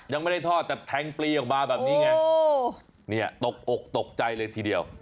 ยังไม่ได้ทอดแต่แทงปลีออกมาแบบนี้ไงเนี่ยตกอกตกใจเลยทีเดียว